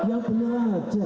yang benar aja